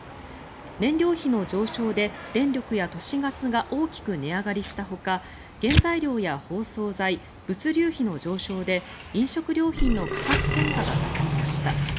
燃料費の上昇で電力や都市ガスが大きく値上がりしたほか原材料や包装材、物流費の上昇で飲食料品の価格転嫁が進みました。